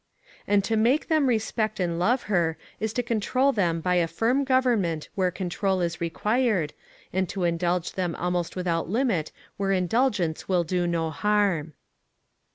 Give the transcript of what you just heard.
And to make them respect and love her, is to control them by a firm government where control is required, and to indulge them almost without limit where indulgence will do no harm.